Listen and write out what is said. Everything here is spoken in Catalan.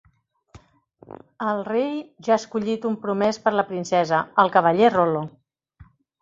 El rei ja ha escollit un promès per a la princesa, el cavaller Rolo.